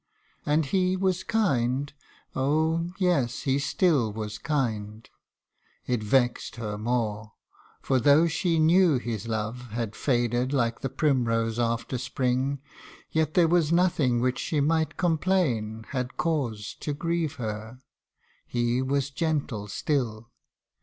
And he was kind : oh, yes ! he still was kind. It vex'd her more ; for though she knew his love Had faded like the primrose after spring, Yet there was nothing which she might complain, Had cause to grieve her ; he was gentle still.